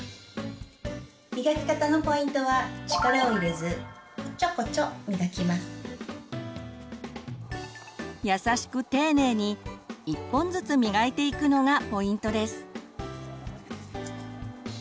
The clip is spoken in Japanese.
磨き方のポイントは優しく丁寧に１本ずつ磨いていくのがポイントです。